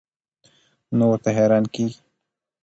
نو ورته حېران کيږي